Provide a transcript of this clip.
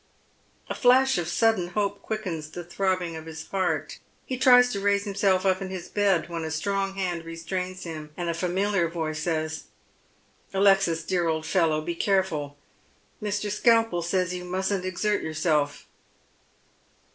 A flash of sudden hope quickens the throb bing of his heart ; he tries to raise himself up in his bed, when a strong hand restrains him, and a familiar voice says,— " Alexis, dear old fellow, be careful. Mr. Skalpel says you mustn't exert yourself."